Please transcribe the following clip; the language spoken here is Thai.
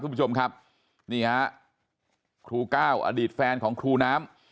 คุณผู้ชมครับนี่ฮะครูก้าวอดีตแฟนของครูน้ำ